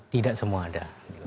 tidak semua ada